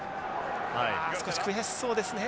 あ少し悔しそうですね。